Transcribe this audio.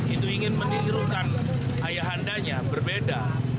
itu ingin menirukan ayahandanya berbeda